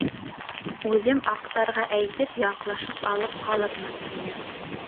Үҙем аҡтарға әйтеп яҡлашып алып ҡалырмын, — тине.